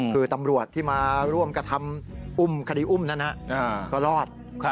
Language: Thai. คือตำรวจที่มาร่วมกระทำอุ้มคดีอุ้มนั้นก็รอด